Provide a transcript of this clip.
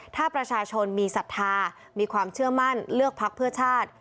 ถ้าประชาชนมีศรัทธามีความเชื่อมั่นเลือกพักเพื่อชาติ